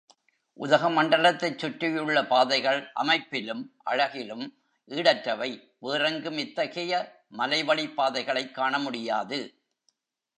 உதகமண்டலத்தைச் சுற்றியுள்ள பாதைகள் அமைப்பிலும், அழகிலும் ஈடற்றவை, வேறெங்கும் இத்தகைய மலைவழிப் பாதைகளைக் காண முடியாது.